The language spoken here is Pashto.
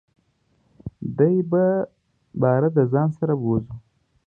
دی به باره دځان سره بوزو .